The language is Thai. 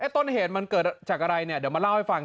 ต้นเหตุมันเกิดจากอะไรเนี่ยเดี๋ยวมาเล่าให้ฟัง